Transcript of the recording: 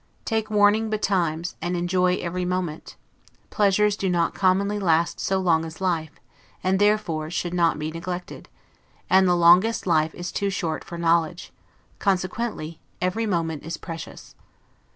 Take warning betimes, and enjoy every moment; pleasures do not commonly last so long as life, and therefore should not be neglected; and the longest life is too short for knowledge, consequently every moment is precious.